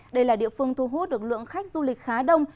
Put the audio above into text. đây là địa phương thu hút được lượng khách du lịch khá đông